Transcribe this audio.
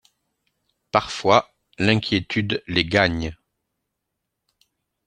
Parfois l’inquiétude les gagne.